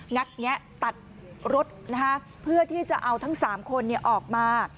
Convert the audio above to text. ัดแงะตัดรถเพื่อที่จะเอาทั้ง๓คนออกมา